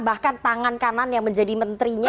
bahkan tangan kanan yang menjadi menterinya